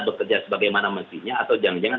bekerja sebagaimana mestinya atau jangan jangan